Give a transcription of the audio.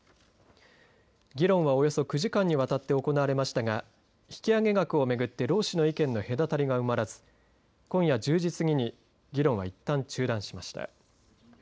議論は、およそ９時間にわたって行われましたが引き上げ額を巡って労使の意見の隔たりが埋まらず今夜１０時過ぎに議論はいったん中断しました。